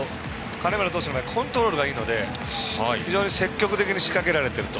金村投手コントロールがいいので非常に積極的に仕掛けられていると。